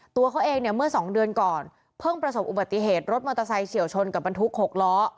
ตัวเขาเองเนี่ยเมื่อสองเดือนก่อนเพิ่งประสบอุบัติเหตุรถมอเตอร์ไซค์เฉียวชนกับบรรทุก๖ล้อ